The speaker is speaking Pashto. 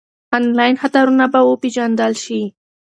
انلاین خطرونه به وپېژندل شي.